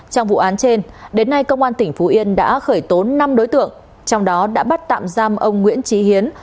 trong vụ án trên đến nay công an tp yên đã khởi tốn năm đối tượng trong đó đã bắt tạm giam ông nguyễn trí hiến